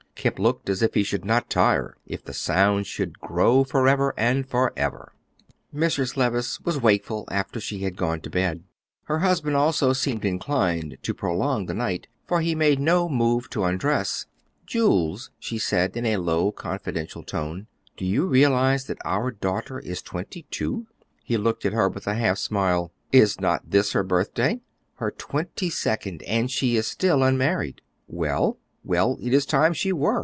Kemp looked as if he would not tire if the sound should "grow forever and forever." Mrs. Levice was wakeful after she had gone to bed. Her husband also seemed inclined to prolong the night, for he made no move to undress. "Jules," said she in a low, confidential tone, "do you realize that our daughter is twenty two?" He looked at her with a half smile. "Is not this her birthday?" "Her twenty second, and she is still unmarried." "Well?" "Well, it is time she were.